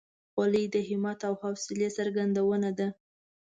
خولۍ د همت او حوصلې څرګندونه ده.